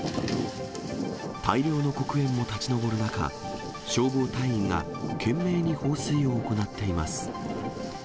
大量の黒煙も立ち上る中、消防隊員が懸命に放水を行っています。